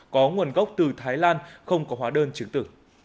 có nguồn gốc từ thái lan không có hóa đơn chứng tử